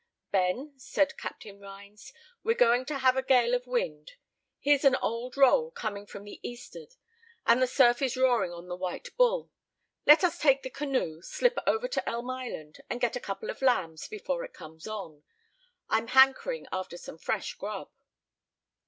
"Ben," said Captain Rhines, "we're going to have a gale of wind; here's an old roll coming from the east'ard, and the surf is roaring on the White Bull. Let us take the canoe, slip over to Elm Island, and get a couple of lambs, before it comes on. I'm hankering after some fresh 'grub.